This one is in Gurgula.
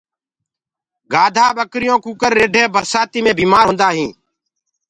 گآڌآ ٻڪرِيونٚ ڪوڪرِ رِڍينٚ برسآتيٚ مي بيٚمآر هونٚديو هينٚ